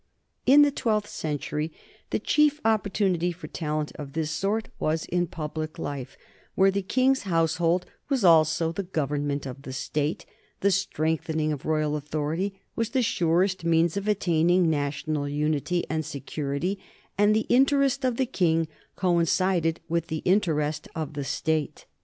In the twelfth century the chief opportunity for talent of this sort was in public life, where the king's household was also the government of the state, the strengthening of royal authority was the surest means of attaining national unity and security, and the inter est of the king coincided with the interest of the state.